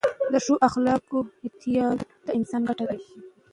د ښو اخلاقو احتیارول د انسان ګټه ده.